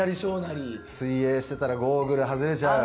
水泳していたらゴーグルが外れちゃう。